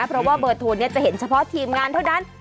เพราะว่าเบอร์โทรจะเห็นเฉพาะทีมงานเท่านั้น